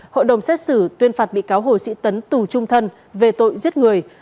hội đồng xét xử tuyên phạt bị cáo hồ sĩ tấn tù trung thân về tội giết người